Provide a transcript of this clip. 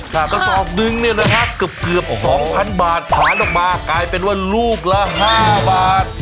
กระสอบนึงเนี่ยนะฮะเกือบสองพันบาทฐานออกมากลายเป็นว่าลูกละ๕บาท